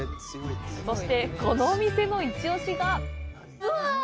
そして、このお店のイチオシがうわ！